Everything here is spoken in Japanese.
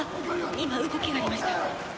今動きがありました。